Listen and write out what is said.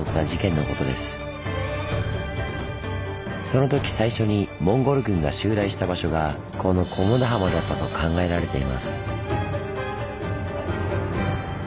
そのとき最初にモンゴル軍が襲来した場所がこの小茂田浜だったと考えられています。